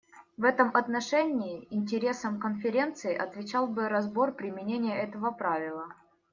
В этом отношении интересам Конференции отвечал бы разбор применения этого правила.